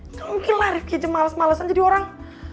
nggak mungkin lah rifki aja males malesan jadi orang